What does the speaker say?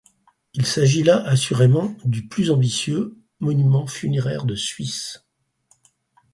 Il s’agit là assurément du plus ambitieux monument funéraire de Suisse.